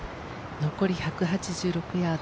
残り１８６ヤード。